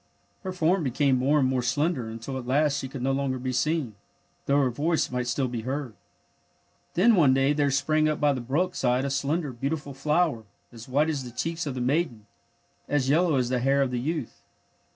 Her form became more and more slender mitil at last she could no longer be seen, though her voice might still be heard. Then one day there sprang up by the brook side a slender, beautiful flower, as white as the cheeks of the maiden, as yeUow as the hair of the youth.